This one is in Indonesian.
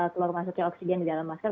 keluar masuknya oksigen di dalam masker